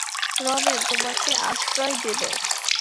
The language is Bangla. রমেন তোমাকে আশ্রয় দেবে!